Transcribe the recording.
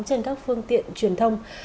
trên các phương tiện truyền thông